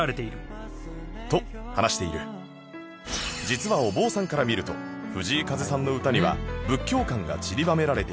実はお坊さんから見ると藤井風さんの歌には仏教観が散りばめられていて